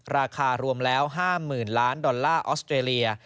ราคารวมแล้ว๕๐๐๐ล้านดอลลาร์ออสเตรเลีย